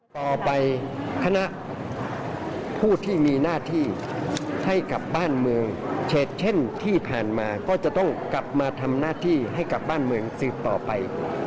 คณะผู้ที่มีหน้าที่ให้กับบ้านเมืองเฉดเช่นที่ผ่านมาก็จะต้องกลับมาทำหน้าที่ให้กับบ้านเมืองสืบต่อไป